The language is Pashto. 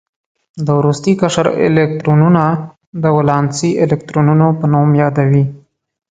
د وروستي قشر الکترونونه د ولانسي الکترونونو په نوم یادوي.